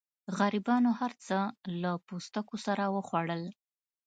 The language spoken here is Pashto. غریبانو هر څه له پوستکو سره وخوړل.